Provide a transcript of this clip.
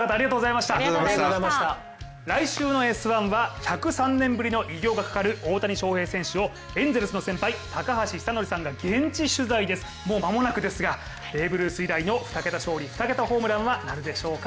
来週の「Ｓ☆１」は１０３年ぶりの偉業がかかる大谷翔平選手をエンゼルスの先輩、高橋尚成さんが現地取材です、もうまもなくですがベーブ・ルース以来の２桁勝利２桁ホームラン、なるでしょうか。